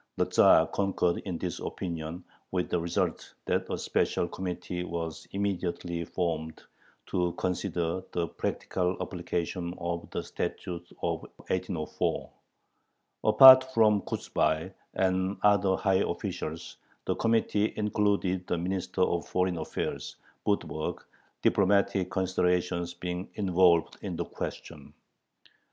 The Tzar concurred in this opinion, with the result that a special committee was immediately formed to consider the practical application of the Statute of 1804. Apart from Kochubay and other high officials, the committee included the Minister of Foreign Affairs, Budberg, diplomatic considerations being involved in the question.